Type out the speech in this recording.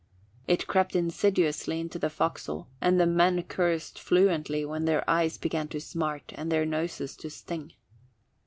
It crept insidiously into the forecastle, and the men cursed fluently when their eyes began to smart and their noses to sting.